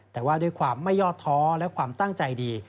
แต่ว่าด้วยความไม่ยอดท้อและความตั้งใจดี